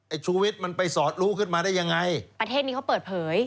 ชูวิทย์มันไปสอดรู้ขึ้นมาได้ยังไงประเทศนี้เขาเปิดเผย